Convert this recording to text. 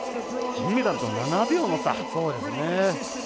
銀メダルと７秒の差。